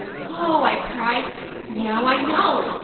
'Oh," I cried, 'now I know!